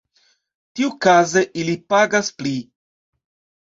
Tiukaze ili pagas pli.